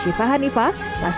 pertanyaan dari penulis